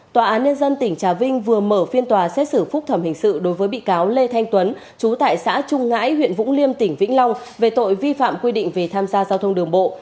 tòa án nhân dân tỉnh trà vinh vừa mở phiên tòa xét xử phúc thẩm hình sự đối với bị cáo lê thanh tuấn chú tại xã trung ngãi huyện vũng liêm tỉnh vĩnh long về tội vi phạm quy định về tham gia giao thông đường bộ